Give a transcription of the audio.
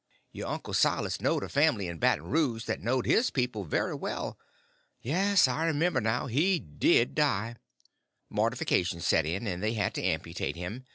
Your uncle Silas knowed a family in Baton Rouge that knowed his people very well. Yes, I remember now, he did die. Mortification set in, and they had to amputate him.